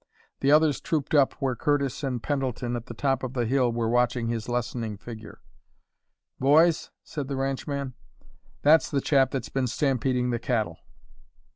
The others trooped up where Curtis and Pendleton, at the top of the hill, were watching his lessening figure. "Boys," said the ranchman, "that's the chap that's been stampeding the cattle!"